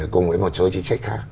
cùng với một số trí sách khác